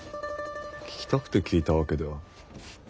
聞きたくて聞いたわけでは。